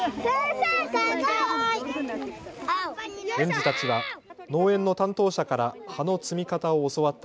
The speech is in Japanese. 園児たちは農園の担当者から葉の摘み方を教わった